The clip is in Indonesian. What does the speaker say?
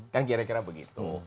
kan kira kira begitu